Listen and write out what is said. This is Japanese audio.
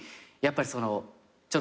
やっぱりその。